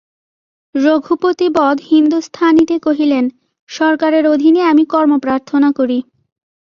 রঘুপতি বদ হিন্দুস্থানিতে কহিলেন, সরকারের অধীনে আমি কর্ম প্রার্থনা করি।